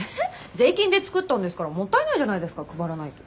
税金で作ったんですからもったいないじゃないですか配らないと。